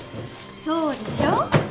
そうでしょ。